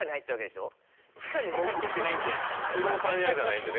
地下に潜ってないんだよ。